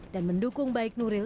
dan mendukung baik nuril